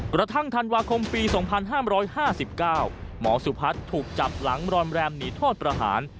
กระทั่งธันวาคมปี๒๕๕๙หมอสุพัฒน์ถูกจับหลังรอนแรมหนีโทษประหาร